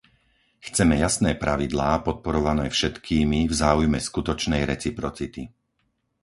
Chceme jasné pravidlá, podporované všetkými v záujme skutočnej reciprocity.